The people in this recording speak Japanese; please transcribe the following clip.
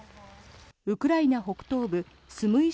ウクライナ北東部スムイ